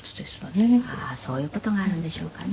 ああーそういう事があるんでしょうかね。